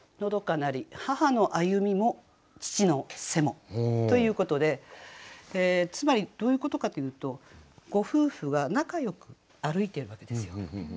「長閑なり母の歩みも父の背も」ということでつまりどういうことかというとご夫婦は仲良く歩いてるわけですよ。